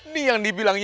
diem yang di bilang ini